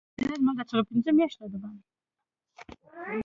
دا بې پایه ژوندانه ده.